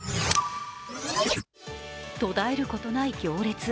途絶えることない行列。